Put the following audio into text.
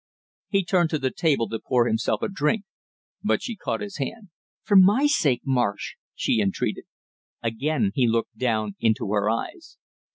He turned to the table to pour himself a drink, but she caught his hand. "For my sake, Marsh!" she entreated. Again he looked down into her eyes.